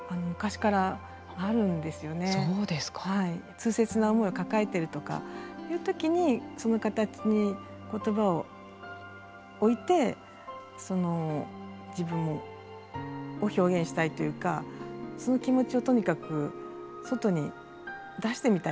痛切な思いを抱えてるとかいう時にその形に言葉を置いて自分を表現したいというかその気持ちをとにかく外に出してみたいっていう。